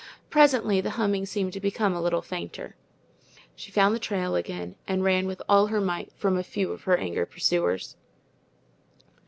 Presently the humming seemed to become a little fainter. She found the trail again, and ran with all her might from a few of her angry pursuers.